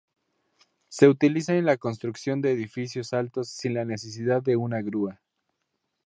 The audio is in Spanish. Se utiliza en la construcción de edificios altos sin la necesidad de una grúa.